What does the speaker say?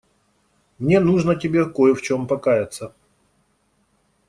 Мне нужно тебе кое в чём покаяться.